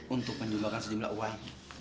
untuk menjualkan sejumlah uang